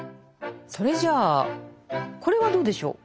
それじゃあこれはどうでしょう。